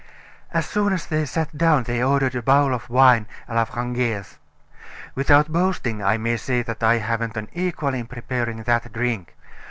"As soon as they sat down they ordered a bowl of wine, a la Frangaise. Without boasting, I may say that I haven't an equal in preparing that drink.